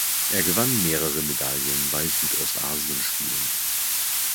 Er gewann mehrere Medaillen bei Südostasienspielen.